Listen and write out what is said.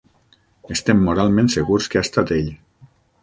Estem moralment segurs que ha estat ell.